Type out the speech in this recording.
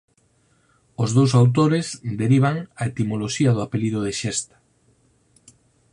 Os dous autores derivan a etimoloxía do apelido de xesta.